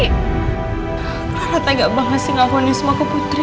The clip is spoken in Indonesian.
clara tak enggak bangga sih ngakonin semuaku putri